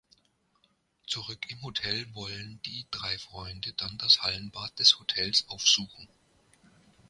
Zurück im Hotel wollen die drei Freunde dann das Hallenbad des Hotels aufsuchen.